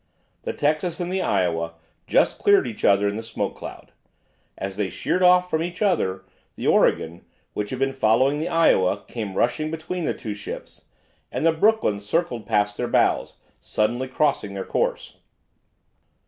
The "Texas" and the "Iowa" just cleared each other in the smoke cloud. As they sheered off from each other, the "Oregon," which had been following the "Iowa," came rushing between the two ships, and the "Brooklyn" circled past their bows, suddenly crossing their course.